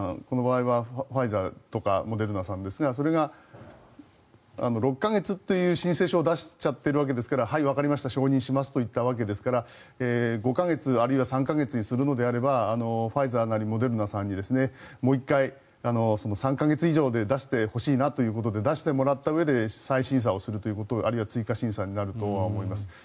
この場合はファイザーとかモデルナですがそこが６か月という申請を出してしまっているのではい、わかりました承認しますといったわけですから５か月あるいは３か月にするのであればファイザーなりモデルナさんにもう１回、３か月以上で出してほしいなということで出してもらったうえで再審査をするということあるいは追加審査になるとは思います。